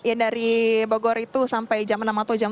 yang dari bogor itu sampai jam enam atau jam dua